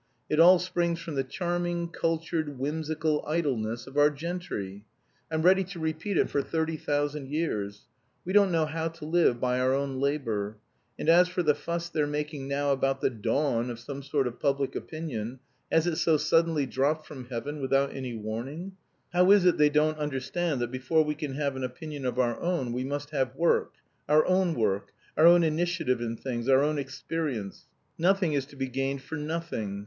It all springs from the charming, cultured, whimsical idleness of our gentry! I'm ready to repeat it for thirty thousand years. We don't know how to live by our own labour. And as for the fuss they're making now about the 'dawn' of some sort of public opinion, has it so suddenly dropped from heaven without any warning? How is it they don't understand that before we can have an opinion of our own we must have work, our own work, our own initiative in things, our own experience. Nothing is to be gained for nothing.